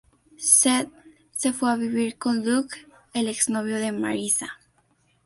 Seth se fue a vivir con Luke, el ex novio de Marissa.